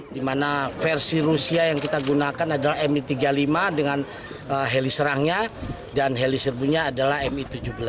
di mana versi rusia yang kita gunakan adalah mi tiga puluh lima dengan heli serangnya dan heli serbunya adalah mi tujuh belas